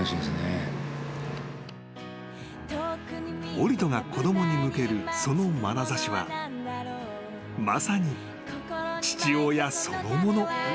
［オリトが子供に向けるそのまなざしはまさに父親そのもの］